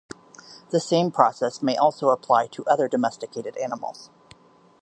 The same process may also apply to other domesticated animals.